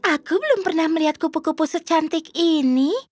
aku belum pernah melihat kupu kupu secantik ini